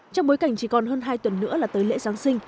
trong bối cảnh chỉ còn hơn hai tuần nữa là tới lễ giáng sinh